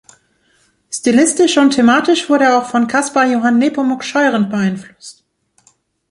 Stilistisch und thematisch wurde er auch von Caspar Johann Nepomuk Scheuren beeinflusst.